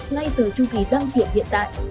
ngay từ chu kỳ đăng kiểm hiện tại